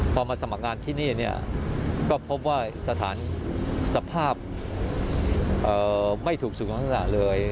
พอมาสมัครงานที่นี่ก็พบว่าสถานสภาพไม่ถูกสุขลักษณะเลย